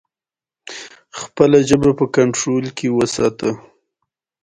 ولله که مې اوغانۍ لا گټلې وي.